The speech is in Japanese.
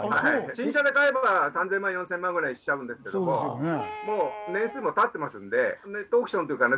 新車で買えば３０００万４０００万ぐらいしちゃうんですけどももう年数も経ってますんでネットオークションっていうかね